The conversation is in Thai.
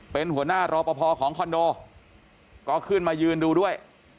เป็นหัวหน้ารอปภของคอนโดก็ขึ้นมายืนดูด้วย